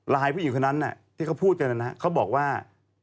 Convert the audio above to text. ผู้หญิงคนนั้นที่เขาพูดกันเขาบอกว่า